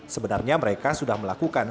sebenarnya mereka sudah melakukan